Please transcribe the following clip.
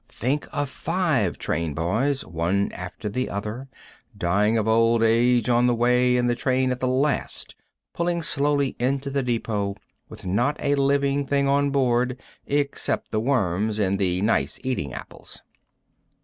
Think of five train boys, one after the other, dying of old age on the way, and the train at last pulling slowly into the depot with not a living thing on board except the worms in the "nice eating apples!"